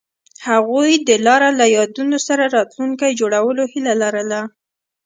هغوی د لاره له یادونو سره راتلونکی جوړولو هیله لرله.